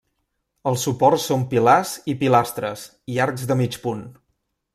Els suports són pilars i pilastres, i arcs de mig punt.